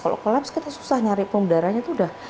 kalau collapse kita susah nyari pembedaranya itu sudah sulit sekali